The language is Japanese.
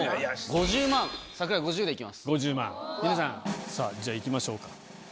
５０万皆さんさぁじゃあいきましょうか。